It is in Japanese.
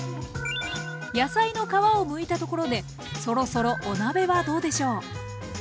野菜の皮をむいたところでそろそろお鍋はどうでしょう？